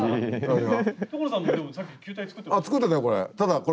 所さんもでもさっき球体作ってましたよね？